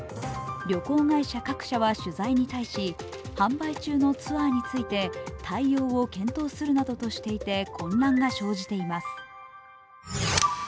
旅行会社各社は取材に対し販売中のツアーについて対応を検討するなどとしていて混乱が生じています。